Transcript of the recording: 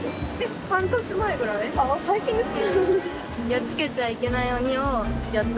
最近ですね。